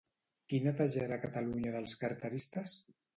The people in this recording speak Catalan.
Qui netejarà Catalunya dels carteristes?